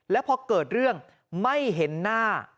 แล้วพอเกิดเรื่องไม่เห็นหน้า